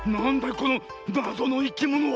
このなぞのいきものは。